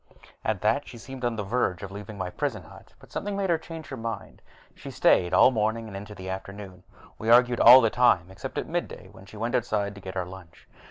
At that, she seemed on the verge of leaving my prison hut, but something made her change her mind. She stayed all morning and on into the afternoon. We argued all the time, except at midday, when she went outside to get our lunch.